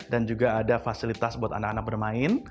dan juga ada fasilitas buat anak anak bermain